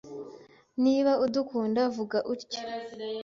Niba udakunda, vuga utyo.